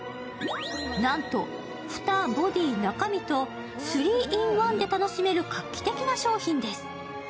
なんと蓋、ボディー、中身とスリーインワンで楽しめる画期的な商品です。